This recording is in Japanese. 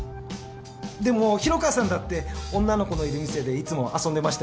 でも広川さんだって女の子のいる店でいつも遊んでましたよね？